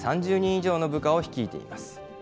３０人以上の部下を率いています。